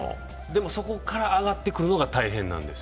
でもそこから上がってくるのが大変なんです。